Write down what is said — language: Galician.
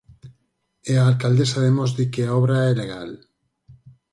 E a alcaldesa de Mos di que a obra é legal.